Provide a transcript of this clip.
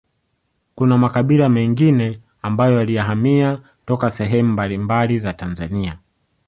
Kuna makabila mengine ambayo yalihamia toka sehemu mbambali za Tanzania